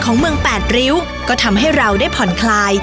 ของเมืองแปดริ้วก็ทำให้เราได้ผ่อนคลาย